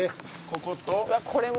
ここと？